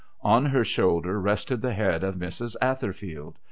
On her shoulder rested the head of Mrs. Atherfield.